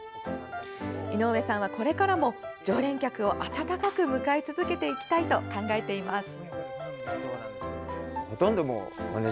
井上さんは、これからも常連客を温かく迎え続けていきたいと考えています。